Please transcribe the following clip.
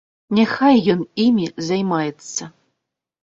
Няхай ён імі займаецца.